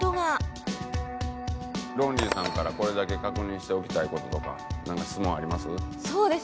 ロンリーさんからこれだけ確認しておきたい事とかなんか質問あります？